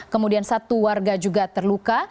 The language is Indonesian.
kemudian satu warga juga terluka